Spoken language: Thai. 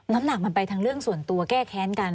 น้ำหนักมันไปทั้งเรื่องส่วนตัวแก้แค้นกัน